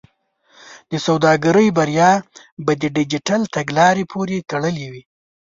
د سوداګرۍ بریا به د ډیجیټل تګلارې پورې تړلې وي.